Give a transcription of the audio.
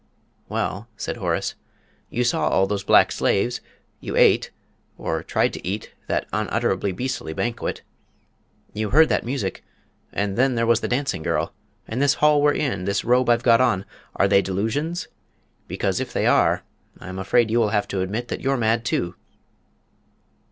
"Well," said Horace, "you saw all those black slaves; you ate, or tried to eat, that unutterably beastly banquet; you heard that music and then there was the dancing girl. And this hall we're in, this robe I've got on are they delusions? Because if they are, I'm afraid you will have to admit that you're mad too."